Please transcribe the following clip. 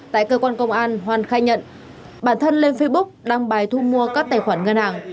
tại cơ quan công an hoan khai nhận bản thân lên facebook đăng bài thu mua các tài khoản ngân hàng